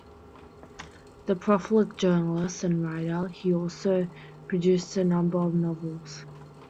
A prolific journalist and writer he also produced a number of novels.